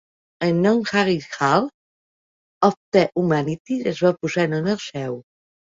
El nom Hagey Hall of the Humanities es va posar en honor seu.